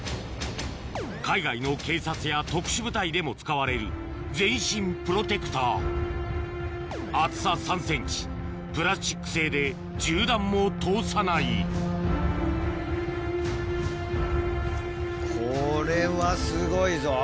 海外の警察や特殊部隊でも使われる全身プロテクターで銃弾も通さないこれはすごいぞ。